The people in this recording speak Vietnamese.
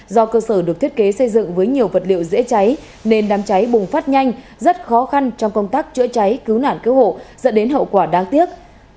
do cơ sở được thiết kế xây dựng với nhiều vật liệu dễ cháy nên đám cháy bùng phát nhanh rất khó khăn trong công tác chữa cháy cứu nạn cứu hộ dẫn đến hậu quả đáng tiếc